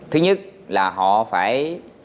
thứ nhất là họ phải